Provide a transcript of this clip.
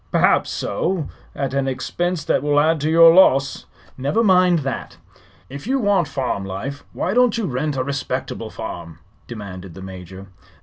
"Perhaps so; at an expense that will add to your loss." "Never mind that." "If you want farm life, why don't you rent a respectable farm?" demanded the Major.